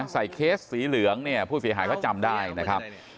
เคสสีเหลืองเนี่ยผู้เสียหายเขาจำได้นะครับ